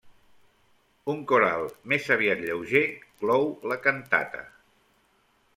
Un coral, més aviat lleuger, clou la cantata.